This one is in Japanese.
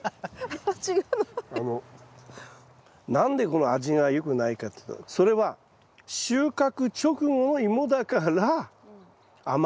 何でこの味が良くないかっていうとそれは収穫直後の芋だから甘みが若干少ない。